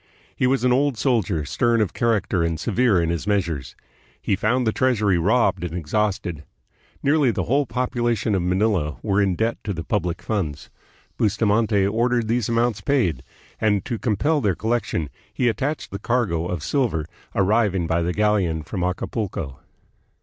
He was an old soldier, stern of character and severe in his measures. He found the treasury robbed and exhausted. Nearly the whole population of Manila were in debt to the public funds. Bustamante ordered 218 THE PHILIPPINES. these amounts paid, and to compel their collection he attached the cargo of silver arriving by the galleon from Acapulco.